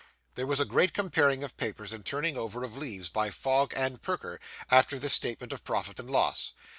There was a great comparing of papers, and turning over of leaves, by Fogg and Perker, after this statement of profit and loss.